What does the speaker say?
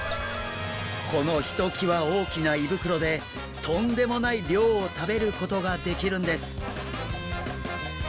このひときわ大きな胃袋でとんでもない量を食べることができるんです。